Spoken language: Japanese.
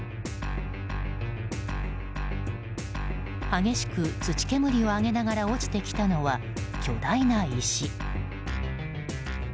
激しく土煙を上げながら落ちてきたのは、巨大な石。